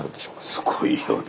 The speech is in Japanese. すごいよね。